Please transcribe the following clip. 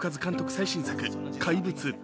最新作「怪物」。